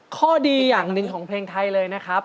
ข้อดีอย่างหนึ่งของเพลงไทยเลยนะครับ